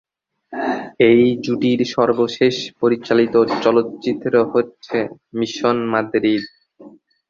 এই জুটির সর্বশেষ পরিচালিত চলচ্চিত্র হচ্ছে "মিশন মাদ্রিদ"।